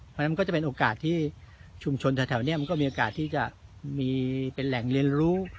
เพราะฉะนั้นมันก็จะเป็นโอกาสที่ชุมชนแถวนี้มันก็มีโอกาสที่จะมีเป็นแหล่งเรียนรู้